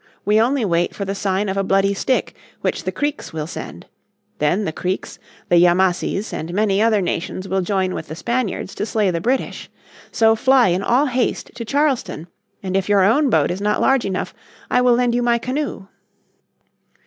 We only wait for the sign of a bloody stick which the Creeks will send. Then the Creeks, the Yamassees, and many other nations will join with the Spaniards to slay the British. So fly in all haste to Charleston. And if your own boat is not large enough I will lend you my canoe."